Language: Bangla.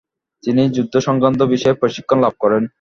তিনি যুদ্ধসংক্রান্ত বিষয়ে প্রশিক্ষণ লাভ করেন।